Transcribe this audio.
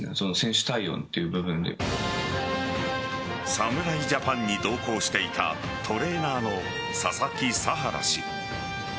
侍ジャパンに同行していたトレーナーの佐々木さはら氏。